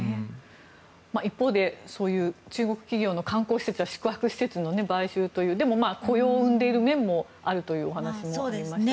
一方でそういう中国企業の観光施設や宿泊施設の買収というでも、雇用を生んでいる面もあるというお話もありましたが。